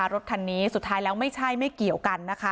รถคันนี้สุดท้ายแล้วไม่ใช่ไม่เกี่ยวกันนะคะ